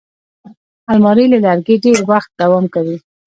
الماري له لرګي ډېر وخت دوام کوي